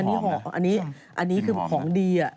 อันนี้คือของดี